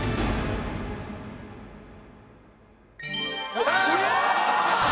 やったー！